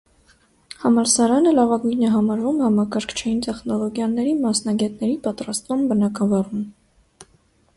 Համալսարանը լավագույնն է համարվում համակարգչային տեխնոլոգիաների մասնագետների պատրաստման բնագավառում։